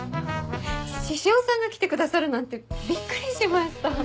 獅子王さんが来てくださるなんてびっくりしました。